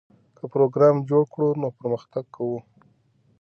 که پروګرام جوړ کړو نو پرمختګ کوو.